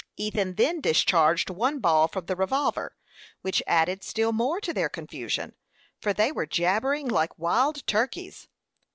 Ethan then discharged one ball from the revolver, which added still more to their confusion, for they were jabbering like wild turkeys.